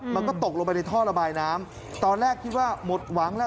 มันก็ตกลงไปในท่อระบายน้ำตอนแรกคิดว่าหมดหวังแล้ว